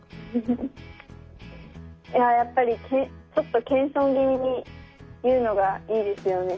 いややっぱりちょっと謙遜気味に言うのがいいですよね。